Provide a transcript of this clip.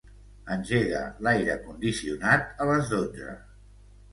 Engega l'aire condicionat a les dotze.